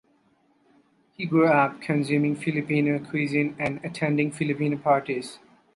He grew up consuming Filipino cuisine and attending Filipino parties.